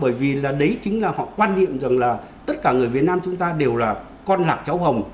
bởi vì là đấy chính là họ quan niệm rằng là tất cả người việt nam chúng ta đều là con lạc cháu hồng